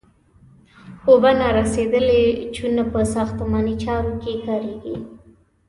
اوبه نارسیدلې چونه په ساختماني چارو کې کاریږي.